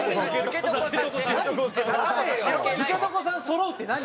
そろうって何？